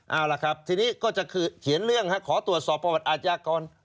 เอาล่ะครับทีนี้ก็จะคือเขียนเรื่องขอตรวจสอบประวัติอาชญากร